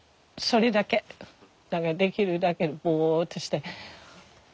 だからできるだけぼっとして。